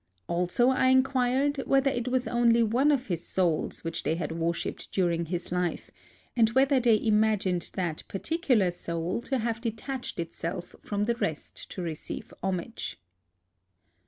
Also I inquired whether it was only one of his souls which they had worshiped during his life, and whether they imagined that particular soul to have detached itself from the rest to receive homage.